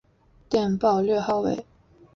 电报略号为。